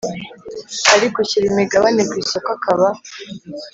Ariko ushyira imigabane ku isoko akaba